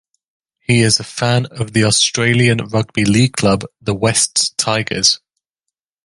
He is a fan of the Australian rugby league club the Wests Tigers.